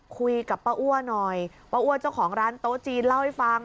คุยกับป้าอ้วหน่อยป้าอ้วเจ้าของร้านโต๊ะจีนเล่าให้ฟัง